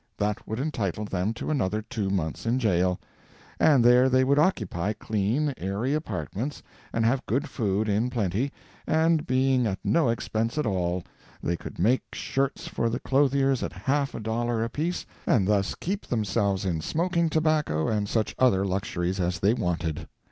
That would entitle them to another two months in jail, and there they would occupy clean, airy apartments, and have good food in plenty, and being at no expense at all, they could make shirts for the clothiers at half a dollar apiece and thus keep themselves in smoking tobacco and such other luxuries as they wanted.